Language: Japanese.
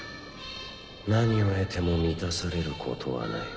何を得ても満たされることはない。